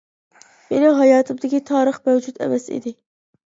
مېنىڭ ھاياتىمدىكى تارىخ مەۋجۇت ئەمەس ئىدى.